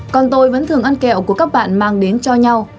còn tôi vẫn thường ăn kẹo của các bạn mang đến cho nhau